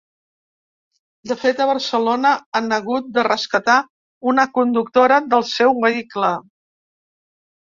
De fet, a Barcelona han hagut de rescatar una conductora del seu vehicle.